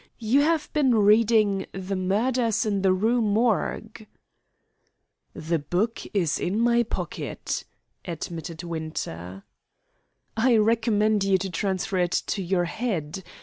You have been reading 'The Murders in the Rue Morgue.'" "The book is in my pocket," admitted Winter. "I recommend you to transfer it to your head.